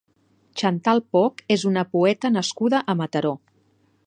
Chantal Poch és una poeta nascuda a Mataró.